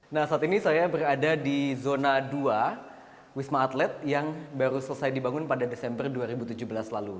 nah saat ini saya berada di zona dua wisma atlet yang baru selesai dibangun pada desember dua ribu tujuh belas lalu